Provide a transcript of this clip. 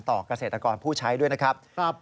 เกษตรกรผู้ใช้ด้วยนะครับ